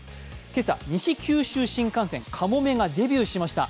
今朝、西九州新幹線かもめがデビューしました。